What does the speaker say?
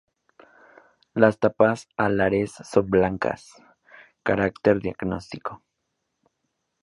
Las tapadas alares son blancas —carácter diagnóstico—.